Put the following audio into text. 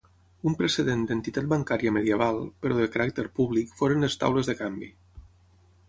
Un precedent d'entitat bancària medieval, però de caràcter públic, foren les taules de canvi.